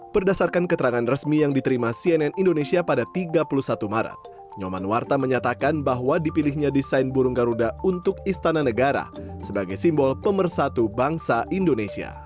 berdasarkan keterangan resmi yang diterima cnn indonesia pada tiga puluh satu maret nyoman warta menyatakan bahwa dipilihnya desain burung garuda untuk istana negara sebagai simbol pemersatu bangsa indonesia